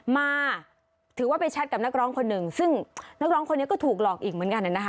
มาถือว่าไปแชทกับนักร้องคนหนึ่งซึ่งนักร้องคนนี้ก็ถูกหลอกอีกเหมือนกันนะคะ